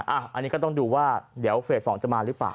อันนี้ก็ต้องดูว่าเดี๋ยวเฟส๒จะมาหรือเปล่า